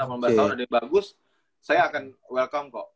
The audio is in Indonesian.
ada yang bagus saya akan welcome kok